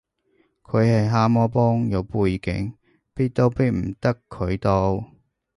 佢係蛤蟆幫，有背景，逼都逼唔得佢到